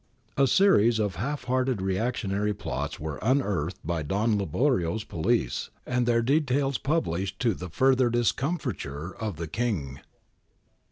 A series of half hearted reactionary plots were unearthed by Don Liborio's police and their details published to the further discomfiture of the King.